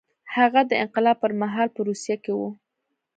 هغه د انقلاب پر مهال په روسیه کې و